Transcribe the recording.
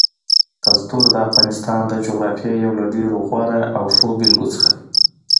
کلتور د افغانستان د جغرافیې یو له ډېرو غوره او ښو بېلګو څخه دی.